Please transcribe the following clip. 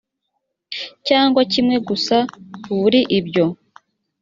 cyangwa kimwe gusa buri ibyo